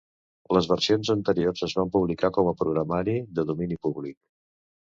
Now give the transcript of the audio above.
Les versions anteriors es van publicar com a programari de domini públic.